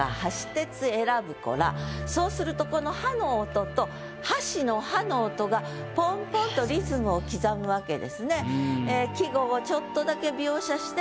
そうするとこの「は」の音と「箸」の「は」の音がポンポンとリズムを刻むわけですね。